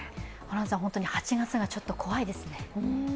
８月がちょっと怖いですね。